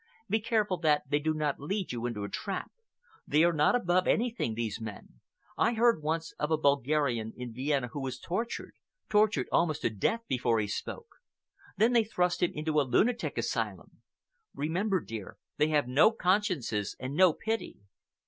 Be careful that they do not lead you into a trap. They are not above anything, these men. I heard once of a Bulgarian in Vienna who was tortured—tortured almost to death—before he spoke. Then they thrust him into a lunatic asylum. Remember, dear, they have no consciences and no pity."